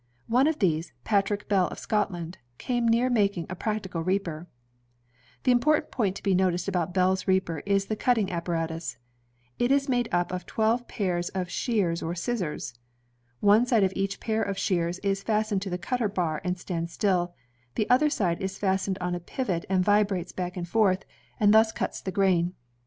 One of these, Patrick Bell of Scotland, came near making a practical reaper. The important point to be noticed about Bell's reaper is the cutting apparatus. It is made up of twelve pairs EEAPER AT WORK of shears or scissors. One side of each pair of shears is fastened to the cutter bar and stands still; the other side is fastened on a pivot and vibrates back and forth, and 146 INVENTIONS OF MANUFACTURE AND PRODUCTION thus cuts the grain.